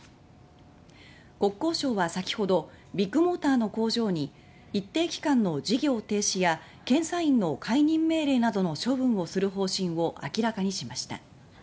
国交省はさきほどビッグモーターの工場に一定期間の事業停止や検査員の解任命令などの処分をする方針を明らかにしました。